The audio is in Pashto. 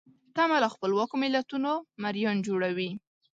تمه له خپلواکو ملتونو مریان جوړوي.